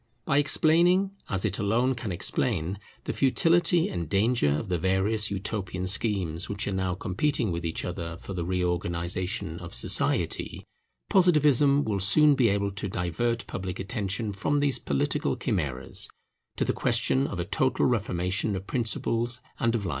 By explaining, as it alone can explain, the futility and danger of the various Utopian schemes which are now competing with each other for the reorganization of society, Positivism will soon be able to divert public attention from these political chimeras, to the question of a total reformation of principles and of life.